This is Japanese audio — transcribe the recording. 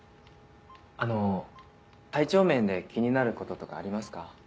あの体調面で気になることとかありますか？